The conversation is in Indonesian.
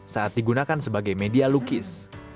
saat digunakan sebagai media lukis